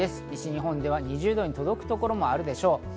西日本では２０度に届くところもあるでしょう。